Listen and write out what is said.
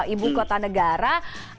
ibu kota negara